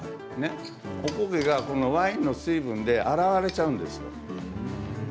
おこげがワインの水分であらわれちゃうんです。